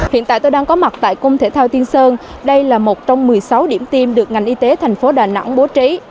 hiện tại tôi đang có mặt tại cung thể thao tiên sơn đây là một trong một mươi sáu điểm tiêm được ngành y tế thành phố đà nẵng bố trí